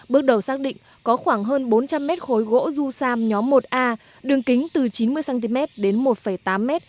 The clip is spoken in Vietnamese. bước đầu xác định có khoảng hơn bốn trăm linh mét khối gỗ du sam nhóm một a đường kính từ chín mươi cm đến một tám m